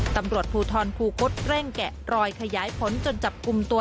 ตำรวจภูทรคูคศเร่งแกะรอยขยายผลจนจับกลุ่มตัว